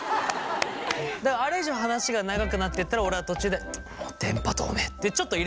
だからあれ以上話が長くなってったら俺は途中で「電波塔め」ってちょっと入れたし。